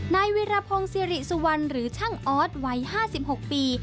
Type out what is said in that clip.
นายวิรพงศ์สิริสุวรรณหรือช่างออสวัย๕๖ปี